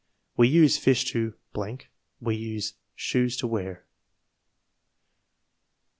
We use fish to , we use shoes to wear. 4.